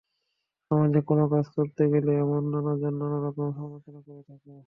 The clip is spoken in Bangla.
সমাজে কোনো কাজ করতে গেলে এমন নানাজন নানা রকম সমালোচনা করে থাকে।